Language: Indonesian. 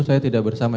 saya tidak bersama